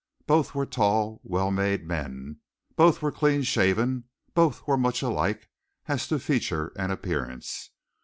Both were tall, well made men; both were clean shaven; both were much alike as to feature and appearance.